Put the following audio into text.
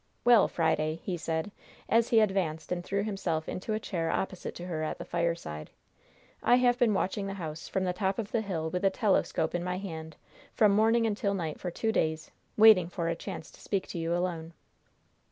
"Well, Friday!" he said, as he advanced and threw himself into a chair opposite to her at the fireside. "I have been watching the house, from the top of the hill, with a telescope in my hand, from morning until night for two days, waiting for a chance to speak to you alone."